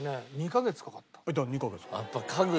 ２カ月かかった。